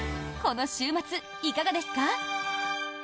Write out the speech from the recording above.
この週末、いかがですか？